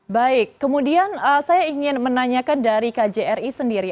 baik kemudian saya ingin menanyakan dari kjri sendiri